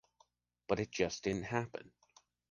But it just didn't happen.